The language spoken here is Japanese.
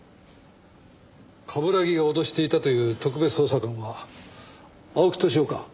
冠城が脅していたという特別捜査官は青木年男か？